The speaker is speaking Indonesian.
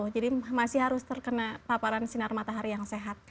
jadi masih harus terkena paparan sinar matahari yang sehat